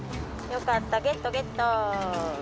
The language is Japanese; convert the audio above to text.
よかった、ゲット、ゲット。